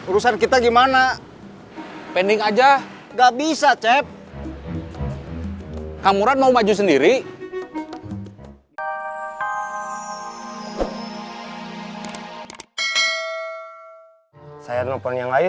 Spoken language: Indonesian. tasik tasik tasik